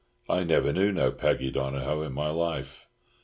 I never knew no Peggy Donohoe in my life.